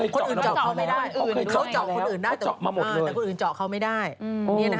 เขาเจาะเขาไม่ได้แต่คนอื่นเจาะเขาไม่ได้